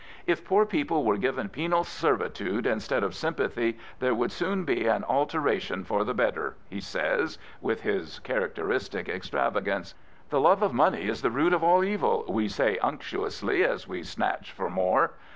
If poor people were given penal servitude instead of sympathy, there would soon be an alteration for the better/' he says, with his characteristic extravagance. " The love of money is the root of all evil," we say unctuously as we snatch for more.